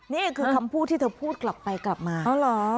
นี่คือคำพูดที่เธอพูดกลับไปกลับมาอ๋อเหรอ